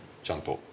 ちゃんと。